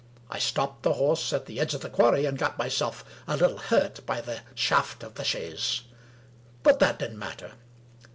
I stopped the horse at the edge of the quarry, and got myself a little hurt by the shaft of the chaise. But that didn't matter.